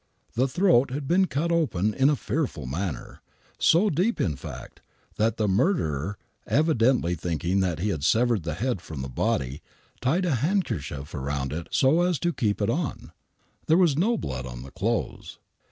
The throat was cut open in a fearful manner — so deep, in fact, that the murderer, evidently thinking that he had severed the head from the body, tied a handkerchief round it so as to keep it on. There was no blood on the clothes.